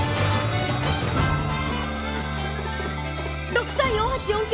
６３４８４９。